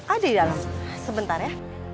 ada di dalam sebentar ya